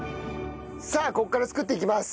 さあここから作っていきます。